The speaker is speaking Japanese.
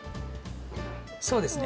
そうですね。